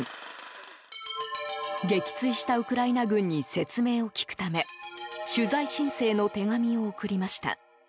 撃墜したウクライナ軍に説明を聞くため取材申請の手紙を送りました。